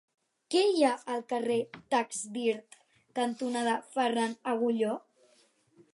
Què hi ha al carrer Taxdirt cantonada Ferran Agulló?